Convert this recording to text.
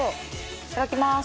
いただきます。